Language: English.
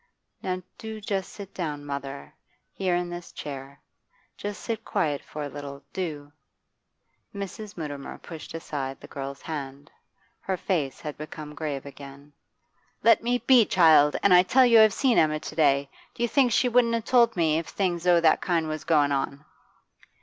'Now do just sit down, mother; here, in this chair. Just sit quiet for a little, do.' Mrs. Mutimer pushed aside the girl's hand; her face had become grave again. 'Let me be, child. And I tell you I have seen Emma to day. Do you think she wouldn't 'a told me if things o' that kind was goin' on?